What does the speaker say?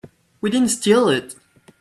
We didn't steal it.